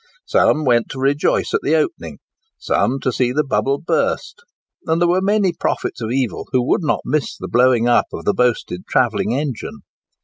Some went to rejoice at the opening, some to see the "bubble burst;" and there were many prophets of evil who would not miss the blowing up of the boasted travelling engine.